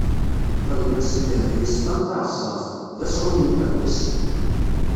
Xedmen s ddheb yeṣfan taɛeṣṣabt: D asɣun imqeddes.